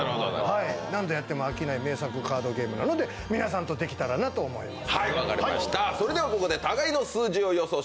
何度やっても飽きない名作カードゲームなので皆さんとできたらなと思います。